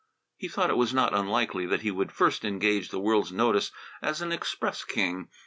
He thought it was not unlikely that he would first engage the world's notice as an express king.